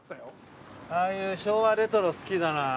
ああいう昭和レトロ好きだなあ。